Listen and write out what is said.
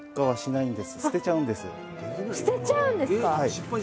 はい。